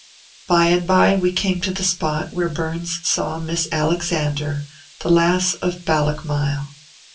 By and by we came to the spot where Burns saw Miss Alexander, the Lass of Ballochmyle.